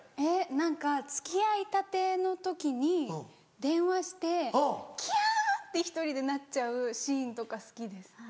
えっ何か付き合いたての時に電話してきゃ！って１人でなっちゃうシーンとか好きです。